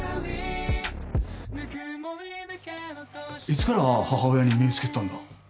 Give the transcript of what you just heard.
いつから母親に目付けてたんだ？